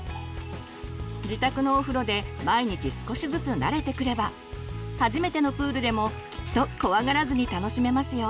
自宅のお風呂で毎日少しずつ慣れてくれば初めてのプールでもきっと怖がらずに楽しめますよ。